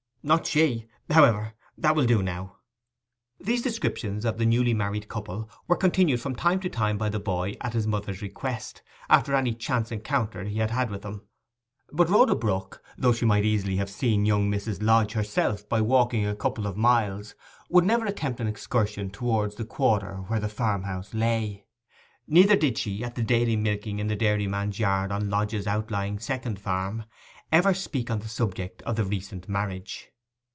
'Not she! However, that will do now.' These descriptions of the newly married couple were continued from time to time by the boy at his mother's request, after any chance encounter he had had with them. But Rhoda Brook, though she might easily have seen young Mrs. Lodge for herself by walking a couple of miles, would never attempt an excursion towards the quarter where the farmhouse lay. Neither did she, at the daily milking in the dairyman's yard on Lodge's outlying second farm, ever speak on the subject of the recent marriage.